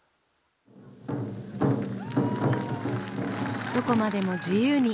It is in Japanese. どこまでも自由に。